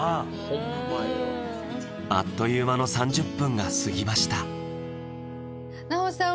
ホンマええわあっという間の３０分が過ぎました奈穂さん